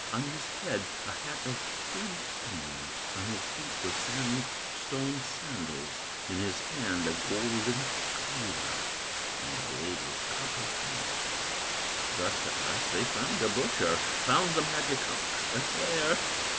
On his head a hat of flint stone, On his feet were sandstone sandals, In his hand a golden cleaver, And the blade was copper handled. Thus at last they found a butcher, Found the magic ox a slayer.